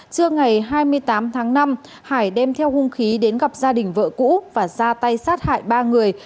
trưa ngày hai mươi tám tháng năm hải đem theo hung khí đến gặp gia đình vợ cũ và ra tay sát hại ba người